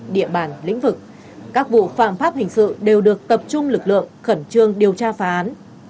địa bàn lĩnh vực các vụ phạm pháp hình sự đều được tập trung lực lượng khẩn trương điều tra phá án